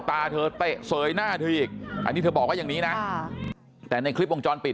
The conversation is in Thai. ตาเธอเตะเสยหน้าเธออีกอันนี้เธอบอกว่าอย่างนี้นะแต่ในคลิปวงจรปิด